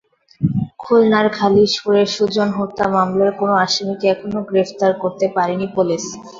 খুলনার খালিশপুরে সুজন হত্যা মামলার কোনো আসামিকে এখনো গ্রেপ্তার করতে পারেনি পুলিশ।